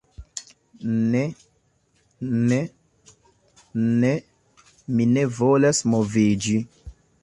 Ne... ne... ne... mi ne volas moviĝi...